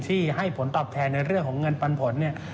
ที่ให้ผลตอบแทนในเรื่องของเงินปันผลเนี่ย